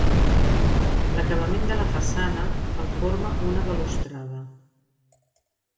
L'acabament de la façana el forma una balustrada.